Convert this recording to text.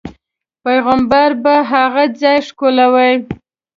پیغمبر به په هغه ځاې ښکلو.